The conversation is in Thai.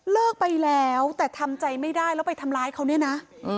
เลิกไปแล้วแต่ทำใจไม่ได้แล้วไปทำร้ายเขาเนี่ยนะ